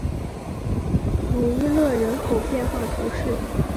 鲁伊勒人口变化图示